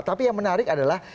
tapi yang menarik adalah